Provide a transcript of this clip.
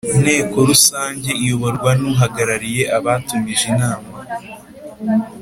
Nteko Rusange iyoborwa n uhagarariye abatumije inama